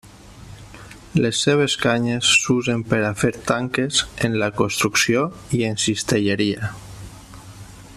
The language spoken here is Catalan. Les seves canyes s'usen per a fer tanques, en la construcció i en cistelleria.